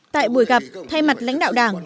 tại buổi gặp thay mặt lãnh đạo đảng